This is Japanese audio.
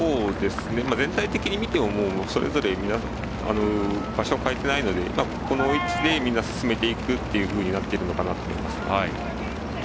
全体的に見て思うのがそれぞれ場所は変えていないのでこの位置でみんな進めていくというふうになっているのかなと思います。